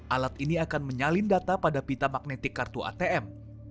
alat ini akan menyalin data pada pita magnetik kartu atm